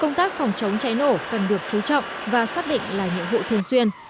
công tác phòng chống cháy nổ cần được chú trọng và xác định là nhiệm vụ thường xuyên